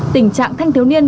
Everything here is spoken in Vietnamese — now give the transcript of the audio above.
tình trạng thanh thiếu niên